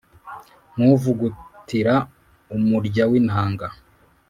nk’ uvugutira umurya w’ inanga